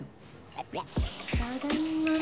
ただいま。